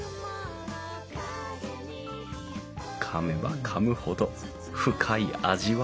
かめばかむほど深い味わい。